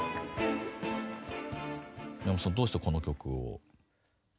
宮本さんどうしてこの曲を？